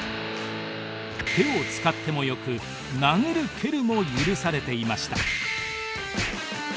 手を使ってもよく殴る蹴るも許されていました。